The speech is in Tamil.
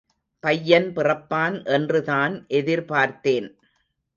பையன் பிறப்பான் என்று தான் எதிர்பார்த்தேன்.